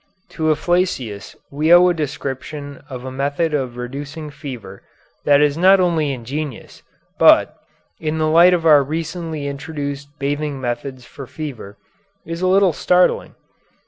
To Afflacius we owe a description of a method of reducing fever that is not only ingenious, but, in the light of our recently introduced bathing methods for fever, is a little startling.